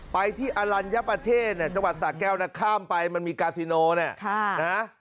ไปที่อลัญญประเทศจังหวัดสาแก้วนะข้ามไปมันมีกาซิโนเนี่ยนะ